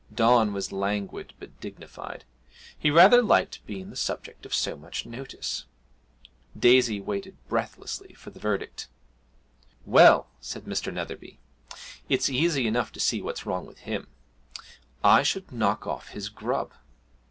Don was languid, but dignified he rather liked being the subject of so much notice. Daisy waited breathlessly for the verdict. 'Well,' said Mr. Netherby, 'it's easy enough to see what's wrong with him. I should knock off his grub.'